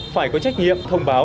phải có trách nhiệm thông báo